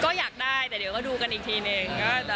ก็อยากได้แต่เดี๋ยวก็ดูกันอีกทีหนึ่ง